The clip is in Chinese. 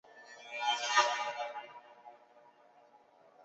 清末毅军将领。